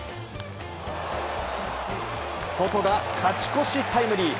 ソトが勝ち越しタイムリー。